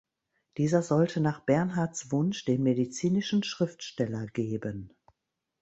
Dieser sollte nach Bernhards Wunsch den medizinischen Schriftsteller geben.